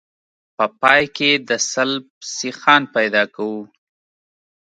په پای کې د سلب سیخان پیدا کوو